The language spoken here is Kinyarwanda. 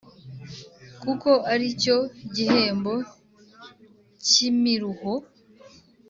kuko ali cyo gihembo cy’imiruho